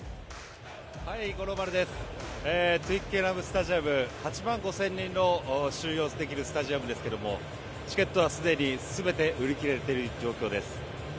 トゥイッケナムスタジアムは８万５０００人を収容できるスタジアムですけれどもチケットはすでにすべて売り切れている状況です。